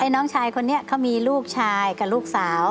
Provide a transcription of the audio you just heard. น้องชายคนนี้เขามีลูกชายกับลูกสาว